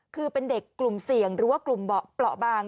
คือเป็นเด็กกลุ่มเสี่ยงหรือว่ากลุ่มเปราะบาง